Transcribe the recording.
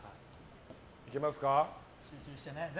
いけますか。